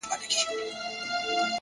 خپل وخت د خپلو ارزښتونو لپاره وکاروئ.!